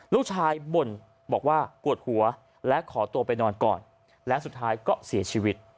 ลูกชายบ่นบอกว่าปวดหัวและขอตัวไปนอนก่อนและสุดท้ายก็เสียชีวิต